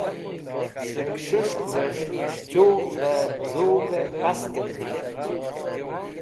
Sẽ s̃hũs̃kvẽs̃h chugh bẽ z̃ug̃hẽ paskẽn dig̃ht.